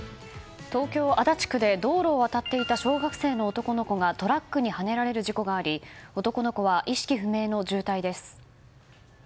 東京・足立区で道路を渡っていた小学生の男の子がトラックにはねられる事故があり男の子は意識不明の重体です。